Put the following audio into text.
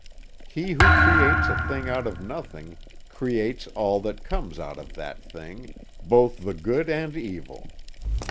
He who creates a thing out of nothing creates all that comes out of that thing, both the good and evil.